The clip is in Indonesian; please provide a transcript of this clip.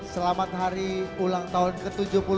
selamat hari ulang tahun ke tujuh puluh tiga